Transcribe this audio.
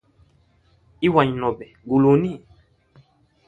Iwanyi nobe guluni?